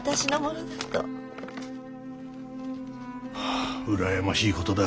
ああうらやましい事だ。